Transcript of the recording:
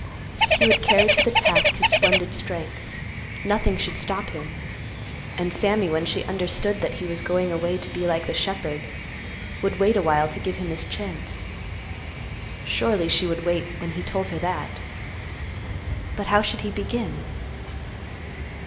He would carry to the task his splendid strength. Nothing should stop him. And Sammy, when she understood that he was going away to be like the shepherd, would wait awhile to give him his chance. Surely, she would wait when he told her that. But how should he begin?